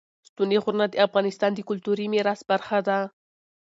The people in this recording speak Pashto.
ستوني غرونه د افغانستان د کلتوري میراث برخه ده.